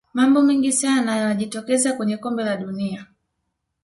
mambo mengi sana yanajitokeza kwenye kombe la dunia